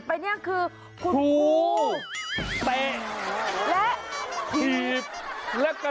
ผีเถอะเลย